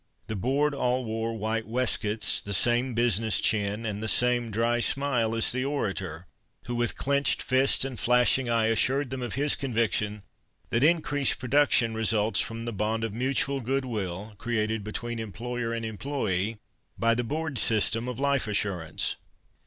The board all wore white waistcoats, the same business chin, and the same dry smile as the orator, who with clenched fist and flashing eye assured them of his conviction that increased production results from the bond of mutual goodwill created between employer and employee by the board's system of life assurance.